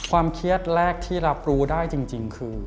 เครียดแรกที่รับรู้ได้จริงคือ